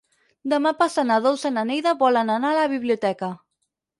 Demà passat na Dolça i na Neida volen anar a la biblioteca.